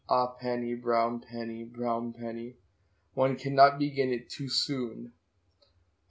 Ah, penny, brown penny, brown penny, One cannot begin it too soon.